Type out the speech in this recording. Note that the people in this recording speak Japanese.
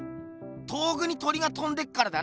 遠くに鳥がとんでっからだな。